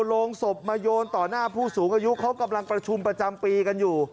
โรงศพมาโยนต่อหน้าผู้สูงอายุเขากำลังประชุมประจำปีกันอยู่